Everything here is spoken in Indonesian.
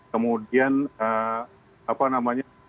kemudian apa namanya